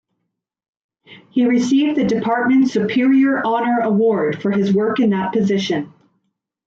He received the Department's Superior Honor Award for his work in that position.